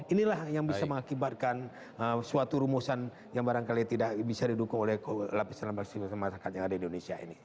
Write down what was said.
inilah yang bisa mengakibatkan suatu rumusan yang barangkali tidak bisa didukung oleh lapisan lapisan masyarakat yang ada di indonesia ini